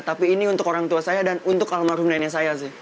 tapi ini untuk orang tua saya dan untuk almarhum nenek saya sih